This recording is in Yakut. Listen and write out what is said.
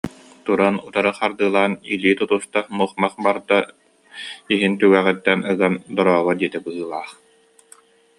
Туран утары хардыылаан илии тутуста, мух-мах барда, иһин түгэҕиттэн ыган «дорообо» диэтэ быһыылаах